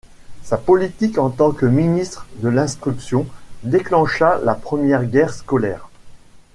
Sa politique en tant que ministre de l'Instruction déclencha la première guerre scolaire.